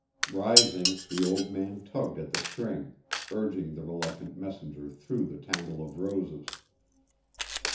Rising, the old man tugged at the string, urging the reluctant messenger through the tangle of roses.